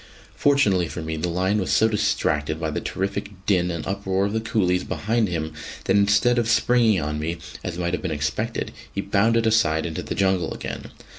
Fortunately for me, the lion was so distracted by the terrific din and uproar of the coolies behind him that instead of springing on me, as might have been expected, he bounded aside into the jungle again.